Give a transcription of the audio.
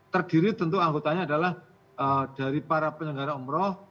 terdiri tentu anggotanya adalah dari para penyelenggara umroh